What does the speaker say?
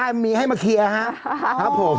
ใช่มีให้มาเคลียร์ครับผม